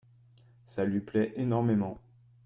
Ça lui plait énormément.